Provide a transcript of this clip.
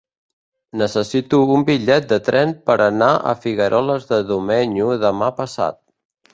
Necessito un bitllet de tren per anar a Figueroles de Domenyo demà passat.